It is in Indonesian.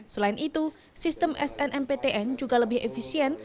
selain itu sistem snmptn juga lebih efisien